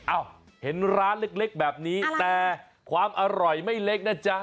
เอ้าเห็นร้านเล็กแบบนี้แต่ความอร่อยไม่เล็กนะจ๊ะ